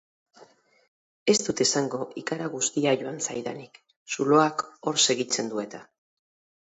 Ez dut esango ikara guztia joan zaidanik, zuloak hor segitzen du eta.